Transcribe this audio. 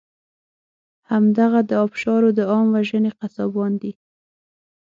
همدغه د آبشارو د عام وژنې قصابان دي.